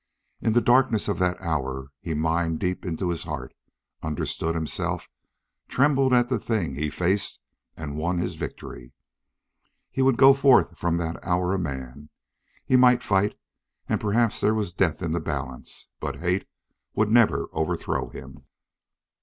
In the darkness of that hour he mined deep into his heart, understood himself, trembled at the thing he faced, and won his victory. He would go forth from that hour a man. He might fight, and perhaps there was death in the balance, but hate would never overthrow him.